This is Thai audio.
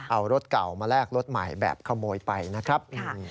เอารถเก่ามาแลกรถใหม่แบบขโมยไปนะครับ